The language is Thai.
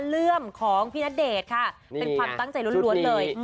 เรื่องของพี่ณเดชน์ค่ะเป็นความตั้งใจล้วนเลย